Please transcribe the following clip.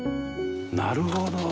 なるほど。